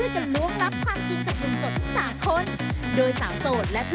กับพอรู้ดวงชะตาของเขาแล้วนะครับ